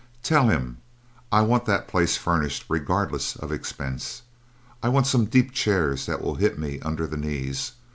Tell him I want that place furnished regardless of expense. I want some deep chairs that will hit me under the knees.